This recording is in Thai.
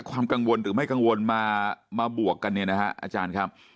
ความกังวลหรือไม่กังวลมาบวกกันเนี่ยนะฮะอาจารย์ครับ